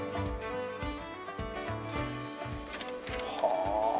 はあ。